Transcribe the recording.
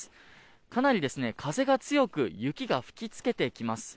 かなり風が強く雪が吹き付けてきます。